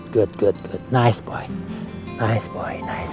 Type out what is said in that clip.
bagus baik baik